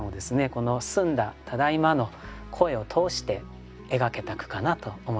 この澄んだ「ただいま」の声を通して描けた句かなと思いますね。